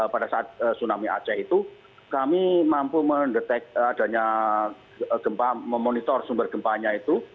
pada saat tsunami aceh itu kami mampu mendetek adanya gempa memonitor sumber gempanya itu